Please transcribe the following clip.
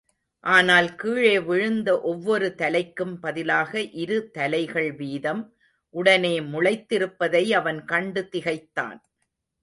ஆனால் கீழே விழுந்த ஒவ்வொரு தலைக்கும் பதிலாக இரு தலைகள் வீதம் உடனே முளைத்திருப்பதை அவன் கண்டு திகைத்தான்.